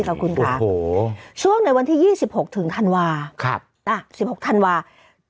ขอบคุณค่ะโอ้โหช่วงในวันที่๒๖ถึงธันวาส์ครับน่ะ๑๖ธันวาส์